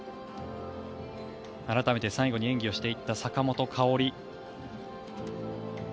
改めて最後に演技をしていった坂本花織。